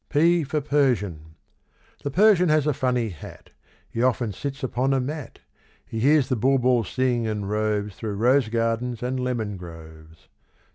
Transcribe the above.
P for Persian. The Persian has a funny hat, He often sits upon a mat; He hears the bulbul sing, and roves Through rose gardens and lemon groves.